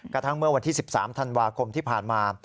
กระทั่งเมื่อวันที่๑๓ธันวาคมที่ผ่านมา